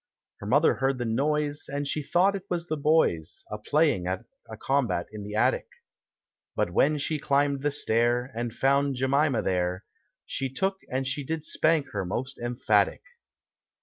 Her mother heard the noise, And she thought it was the boys A playing at a combat in the attic; I Jut when she climbed the stair, And found Jemima there, She took and she did spank her most emphatic.